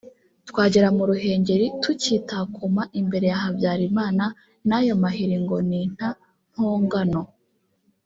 twagera mu Ruhengeli tukitakuma imbere ya Habyalimana n’ ayo mahiri ngo ni nta mpongano